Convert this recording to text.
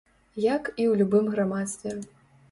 Як і ў любым грамадстве.